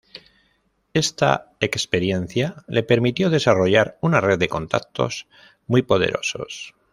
Esta experiencia le permitió desarrollar una red de contactos muy poderosos.